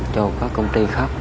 cho các công ty khác